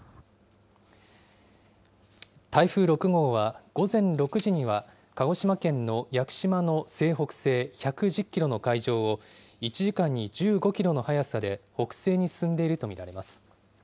台風６号は午前６時には、鹿児島県の屋久島の西北西１１０キロの海上を、１時間に１５キロの速さで北西に進んでいると見られます。